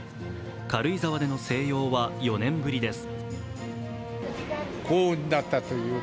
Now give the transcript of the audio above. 軽井沢での静養は４年ぶりです。